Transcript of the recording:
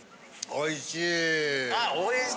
おいしい！